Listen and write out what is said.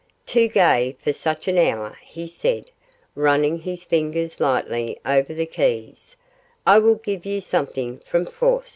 'Too gay for such an hour,' he said, running his fingers lightly over the keys; 'I will give you something from "Faust".